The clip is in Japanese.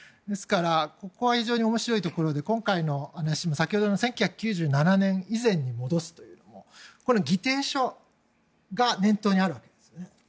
ですから、ここは非常に面白いところで今回も、先ほどの１９９７年以前に戻すというのもこの議定書が念頭にあるわけですね。